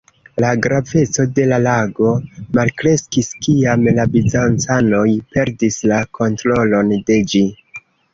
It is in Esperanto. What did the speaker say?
La graveco de la lago malkreskis, kiam la bizancanoj perdis la kontrolon de ĝi.